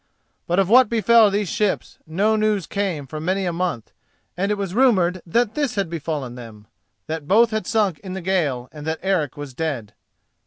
But of what befell these ships no news came for many a month, and it was rumoured that this had befallen them—that both had sunk in the gale, and that Eric was dead.